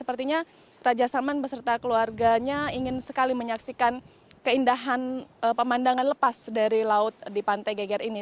sepertinya raja salman beserta keluarganya ingin sekali menyaksikan keindahan pemandangan lepas dari laut di pantai geger ini